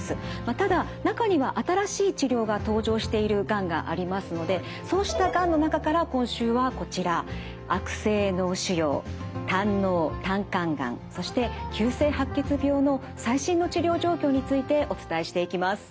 ただ中には新しい治療が登場しているがんがありますのでそうしたがんの中から今週はこちらの最新の治療状況についてお伝えしていきます。